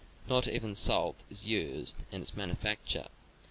Not even salt is used in its manufacture.